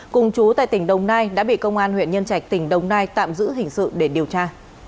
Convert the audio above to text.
cùng chú tại tỉnh đồng nai đã bị công an huyện nhân trạch tỉnh đồng nai tạm giữ hình sự để điều tra